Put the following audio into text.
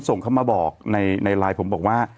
ส่งเข้ามาบอกในไลน์ผมบอกว่า